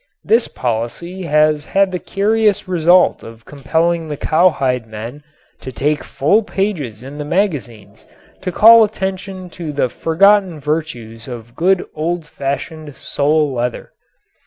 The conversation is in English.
This policy has had the curious result of compelling the cowhide men to take full pages in the magazines to call attention to the forgotten virtues of good old fashioned sole leather!